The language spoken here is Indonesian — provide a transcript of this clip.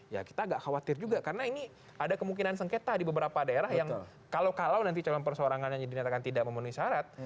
ya kita agak khawatir juga karena ini ada kemungkinan sengketa di beberapa daerah yang kalau kalau nanti calon persorangannya dinyatakan tidak memenuhi syarat